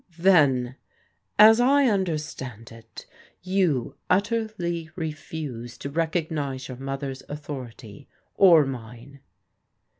" Then, as I understand it, you utterly refuse to recog nize your mother's authority, or mine